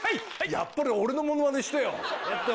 やっぱり俺のものまねしてよ。